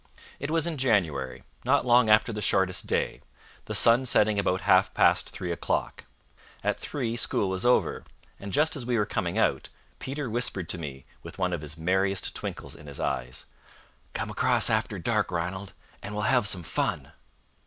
It was in January, not long after the shortest day, the sun setting about half past three o'clock. At three school was over, and just as we were coming out, Peter whispered to me, with one of his merriest twinkles in his eyes: "Come across after dark, Ranald, and we'll have some fun."